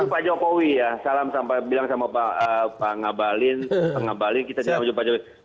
yang jelas kita ditamu dulu pak jokowi ya salam sampai bilang sama pak ngabalin pak ngabalin kita ditamu dulu pak jokowi